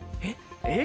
えっ？